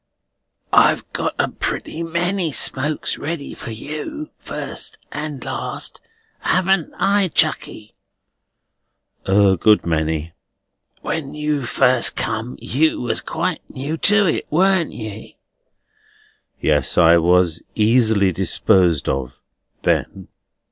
"I've got a pretty many smokes ready for you, first and last, haven't I, chuckey?" "A good many." "When you first come, you was quite new to it; warn't ye?" "Yes, I was easily disposed of, then."